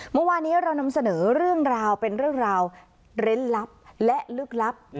เมื่อวานี้เรานำเสนอเรื่องราวเป็นเรื่องราวเร้นลับและลึกลับ